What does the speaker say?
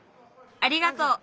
ありがとう！